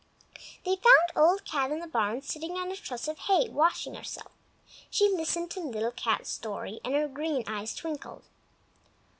] They found Old Cat in the Barn sitting on a truss of hay, washing herself. She listened to Little Cat's story, and her green eyes twinkled.